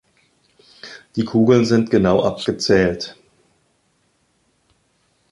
Die Kugeln sind genau abgezählt.